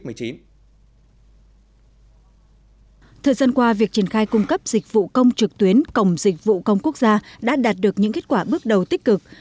thời gian qua việc triển khai cung cấp dịch vụ công trực tuyến cổng dịch vụ công quốc gia đã đạt được những kết quả bước đầu tích cực